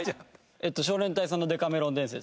少年隊さんの『デカメロン伝説』。